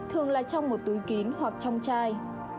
thường là trong một túi kín hoặc trong chai